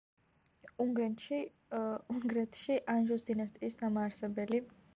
უნგრეთში ანჟუს დინასტიის დამაარსებელი.